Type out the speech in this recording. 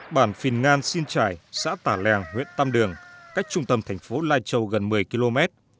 bản phìn ngan xin trải xã tả lèng huyện tam đường cách trung tâm thành phố lai châu gần một mươi km